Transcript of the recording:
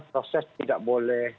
proses tidak boleh